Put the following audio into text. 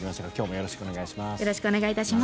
よろしくお願いします。